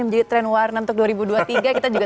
menjadi tren warna untuk dua ribu dua puluh tiga kita juga